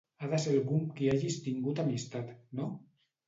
Ha de ser algú amb qui hagis tingut amistat, no?